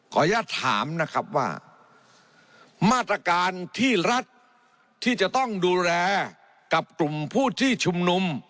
ขออนุญาตถามนะครับว่ามาตรการที่รัฐที่จะต้องดูแลกับกลุ่มผู้ที่ชุมนุม